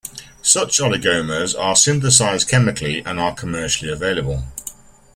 Such oligomers are synthesized chemically and are commercially available.